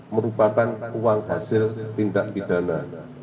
merupakan uang hasil tindak pidana